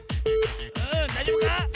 うんだいじょうぶか？